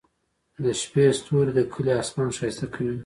د شپې ستوري د کلي اسمان ښايسته کوي.